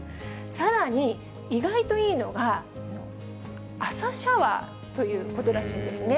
さらに、意外といいのが、朝シャワーということらしいんですね。